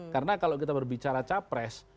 karena kalau kita berbicara capres